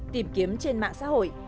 tìm kiếm trên mạng xã hội